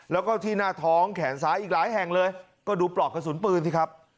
แล้วก็ที่หน้าท้องแขนซ้ายอีกหลายแห่งเลยก็ดูปลอกกระสุนปืนสิครับ